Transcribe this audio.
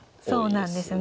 そうなんですね。